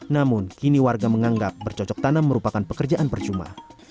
namun kini warga menganggap bercocok tanam merupakan pekerjaan percuma